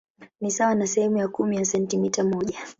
Ni sawa na sehemu ya kumi ya sentimita moja.